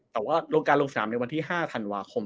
แต่ว่าลงการลงสนามในวันที่๕ธันวาคม